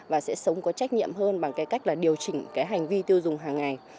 và sẽ sống có trách nhiệm hơn bằng cái cách là điều chỉnh cái hành vi tiêu dùng hàng ngày